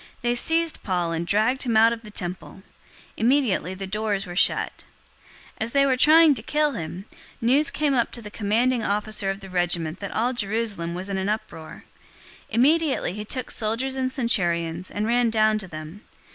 They seized Paul and dragged him out of the temple. Immediately the doors were shut. 021:031 As they were trying to kill him, news came up to the commanding officer of the regiment that all Jerusalem was in an uproar. 021:032 Immediately he took soldiers and centurions, and ran down to them.